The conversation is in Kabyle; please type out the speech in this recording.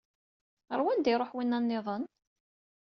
Ɣer wanda i iṛuḥ winna nniḍen?